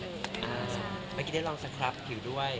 เมื่อกี้ได้ลองสครับผิวด้วย